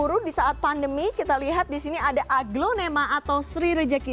turun di saat pandemi kita lihat di sini ada aglonema atau sri rejeki